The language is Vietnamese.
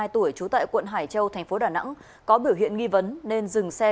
hai mươi tuổi trú tại quận hải châu thành phố đà nẵng có biểu hiện nghi vấn nên dừng xe